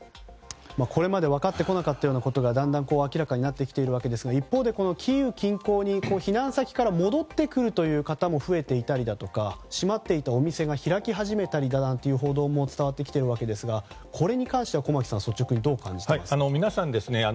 これまで分かってこなかったようなことが明らかになってきているわけですが一方でキーウ近郊に避難先から戻ってくる方も増えていたり、閉まっていたお店が開き始めたりという報道も伝わってきているわけですがこれに関して駒木さんどう感じていますか。